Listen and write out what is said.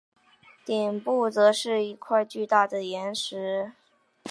顶部则是一块巨大的岩石。